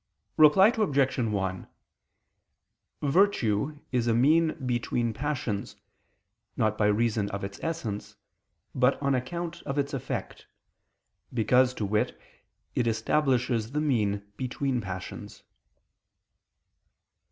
Reply Obj. 1: Virtue is a mean between passions, not by reason of its essence, but on account of its effect; because, to wit, it establishes the mean between passions.